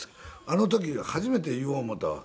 あの時初めて言おう思うたわ。